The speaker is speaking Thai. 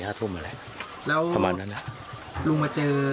แล้วลูกมาเจอรู้ว่าเขาหายตอนไหนครับ